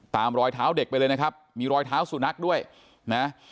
รอยเท้าเด็กไปเลยนะครับมีรอยเท้าสุนัขด้วยนะ